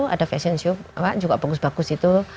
ada fashion show juga bagus bagus itu